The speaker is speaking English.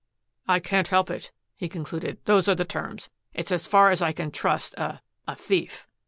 "I can't help it," he concluded. "Those are the terms. It is as far as I can trust a a thief."